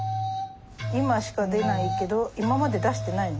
今しか出ないけど今まで出してないの？